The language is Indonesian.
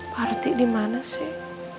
parti di mana sih